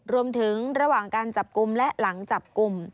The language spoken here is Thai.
รวมถึงระหว่างการจับกลุ่มและหลังจับกลุ่ม